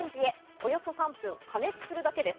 およそ３分加熱するだけです。